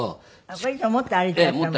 これいつも持って歩いていらっしゃるの。